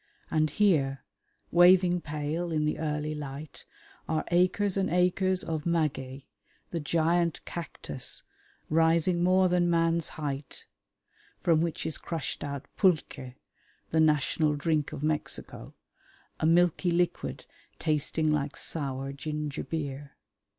And here, waving pale in the early light, are acres and acres of maguey, the giant cactus rising more than man's height, from which is crushed out pulque, the national drink of Mexico, a milky liquid tasting like sour ginger beer.